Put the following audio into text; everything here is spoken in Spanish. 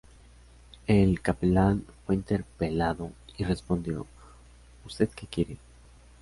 El capellán fue interpelado y respondió "Ud.que quiere?